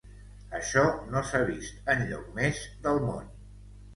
Això no s’ha vist enlloc més del món.